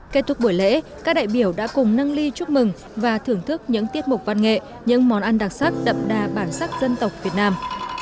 kết thúc buổi lễ các đại biểu đã cùng nâng ly chúc mừng và thưởng thức những tiết mục văn nghệ những món ăn đặc sắc đậm đà bản sắc dân tộc việt nam